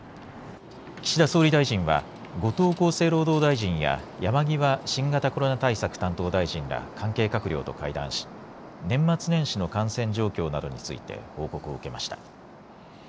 岸田総理大臣は後藤厚生労働大臣や山際新型コロナ対策担当大臣ら関係閣僚と会談し年末年始の感染状況などについて報告を受けました。